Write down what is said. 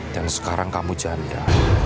dan sekarang kamu janda